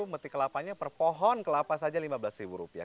metik kelapanya per pohon kelapa saja lima belas rupiah